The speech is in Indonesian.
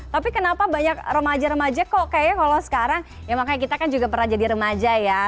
tapi kenapa banyak remaja remaja kok kayaknya kalau sekarang ya makanya kita kan juga pernah jadi remaja ya